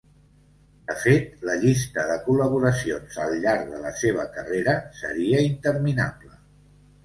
De fet, la llista de col·laboracions al llarg de la seva carrera seria interminable.